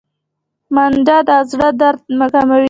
منډه د زړه درد کموي